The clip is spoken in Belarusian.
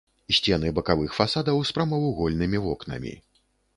Сцены бакавых фасадаў з прамавугольнымі вокнамі.